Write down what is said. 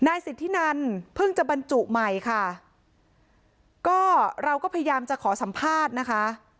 สิทธินันเพิ่งจะบรรจุใหม่ค่ะก็เราก็พยายามจะขอสัมภาษณ์นะคะ